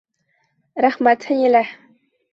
Рәхмәт, Фәнилә.